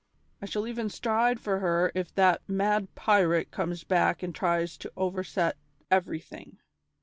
I shall even strive for her if that mad pirate comes back and tries to overset everything."